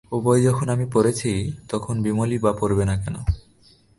ও বই যখন আমি পড়েছি তখন বিমলই বা পড়বে না কেন?